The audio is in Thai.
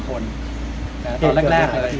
ตอนแรกเลย